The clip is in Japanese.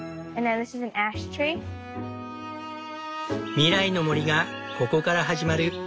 未来の森がここから始まる。